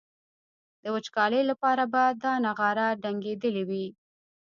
د وچکالۍ لپاره به دا نغاره ډنګېدلي وي.